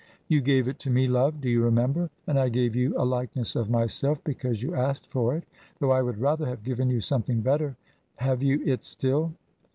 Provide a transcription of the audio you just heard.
"You gave it to me, love, do you remember? And I gave you a likeness of myself, because you asked for it, though I would rather have given you something better. Have you it still?"